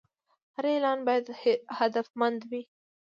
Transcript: هر اعلان باید هدفمند وي.